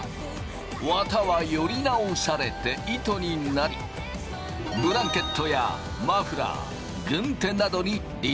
綿はより直されて糸になりブランケットやマフラー軍手などにリサイクルされる。